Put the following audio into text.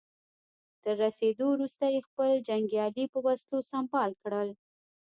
تر رسېدو وروسته يې خپل جنګيالي په وسلو سمبال کړل.